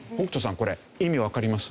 これ意味わかります？